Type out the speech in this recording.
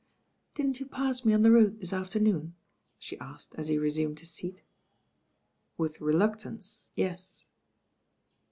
"Didn't you pass me on the road this afternoon?" she asked as he resumed his seat. "With reluctance, yes."